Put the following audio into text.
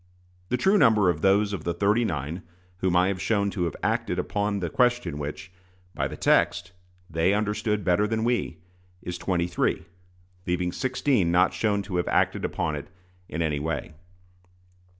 The true number of those of the "thirty nine" whom I have shown to have acted upon the question which, by the text, they understood better than we, is twenty three, leaving sixteen not shown to have acted upon it in any way.